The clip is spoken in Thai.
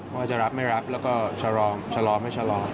ว่าจะรับไม่รับแล้วก็ชะลอไม่ชะลอ